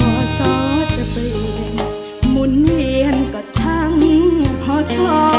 พ่อซ้อจะเปลี่ยนหมุนเวียนก็ช้างพ่อซ้อ